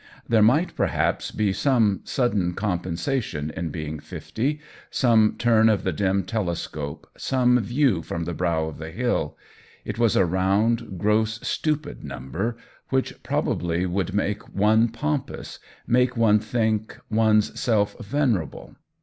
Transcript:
There might perhaps be some sudden compensation in being fifty, some turn of the dim telescope, some view from the brow of the hill ; it was a round, gross, stupid number, which probably would make one pompous, make one think one's self 42 THE WHEEL OF TIME venerable.